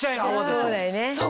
そうだよね。